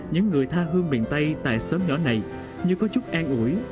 những người tha hương miền tây tại xóm nhỏ này như có chút an ủi